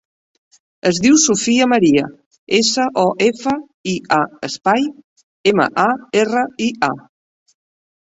Es diu Sofia maria: essa, o, efa, i, a, espai, ema, a, erra, i, a.